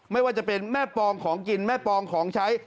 ไม่ว่าจะเป็นแม่ปองของกินแม่ปองของใช้